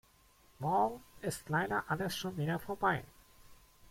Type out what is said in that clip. Morgen ist leider alles schon wieder vorbei.